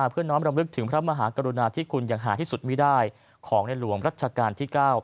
เพื่อน้อมรำลึกถึงพระมหากรุณาที่คุณอย่างหาที่สุดมีได้ของในหลวงรัชกาลที่๙